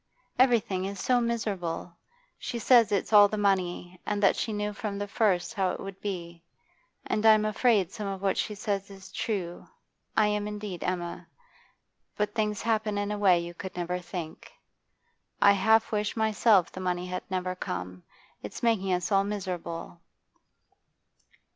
Everything is so miserable! She says it's all the money, and that she knew from the first how it would be. And I'm afraid some of what she says is true, I am indeed, Emma. But things happen in a way you could never think. I half wish myself the money had never come. It's making us all miserable.